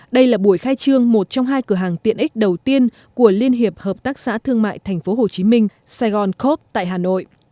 đây là buổi khai trương một trong hai cửa hàng tiện ích đầu tiên của liên hiệp hợp tác xã thương mại tp hcm saigon coop tại hà nội